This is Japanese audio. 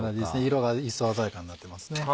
色が一層鮮やかになってますね。